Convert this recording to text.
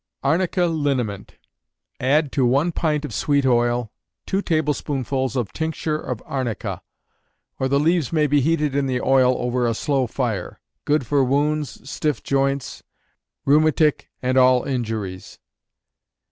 Arnica Liniment. Add to one pint of sweet oil, two tablespoonfuls of tincture of arnica; or the leaves may be heated in the oil over a slow fire. Good for wounds, stiff joints, rheumatic, and all injuries.